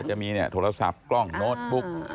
จะมีโทรศัพท์กล้องโน้ตบุ๊ก